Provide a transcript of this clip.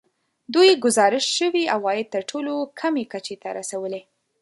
دوی ګزارش شوي عواید تر ټولو کمې کچې ته رسولي